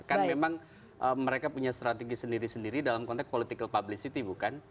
kan memang mereka punya strategi sendiri sendiri dalam konteks political publicity bukan